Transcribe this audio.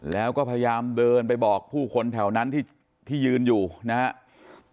แล้วก็พยายามเดินไปบอกผู้คนแถวนั้นที่ยืนอยู่นะครับ